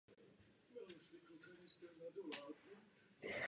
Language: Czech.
Bezprostředně jsme zajistili možnost důkladného vyšetřování pod evropským dohledem.